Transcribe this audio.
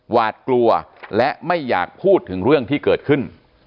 หวาดกลัวและไม่อยากพูดถึงเรื่องที่เกิดขึ้น